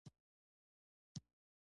کلي د اجتماعي جوړښت یوه مهمه برخه ده.